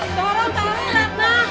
tolong taruh raffa